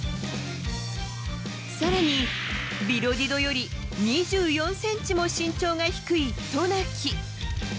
更に、ビロディドより２４ｃｍも身長が低い渡名喜。